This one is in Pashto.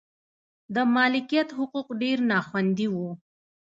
د مالکیت حقوق ډېر نا خوندي و.